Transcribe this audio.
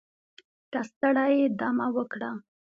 که ستړی یې دمه وکړه